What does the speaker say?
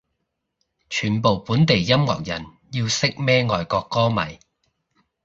全部本地音樂人要識咩外國歌迷